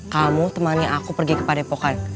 kamu temannya aku pergi ke padepokan